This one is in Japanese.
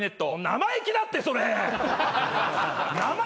生意気だってお前。